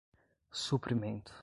suprimento